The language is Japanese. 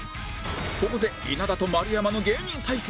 ここで稲田と丸山の芸人対決